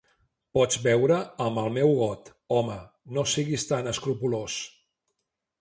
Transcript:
Pots beure amb el meu got, home, no siguis tan escrupolós.